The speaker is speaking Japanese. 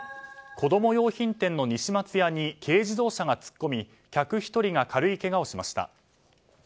子供用品店の西松屋に軽自動車が突っ込み客１人が軽いけがをしました。